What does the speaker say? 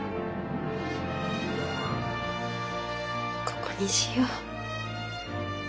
ここにしよう。